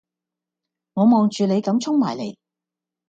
我望住你咁衝埋嚟